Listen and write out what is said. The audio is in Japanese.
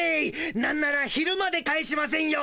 なんなら夜まで帰しませんよ。